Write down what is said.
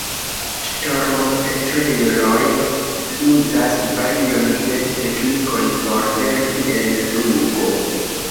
Ŝtormopetreloj uzas varion de teknikoj por helpi en flugo.